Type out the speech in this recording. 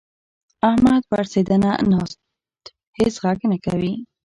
احمد پړسنده ناست؛ هيڅ ږغ نه کوي.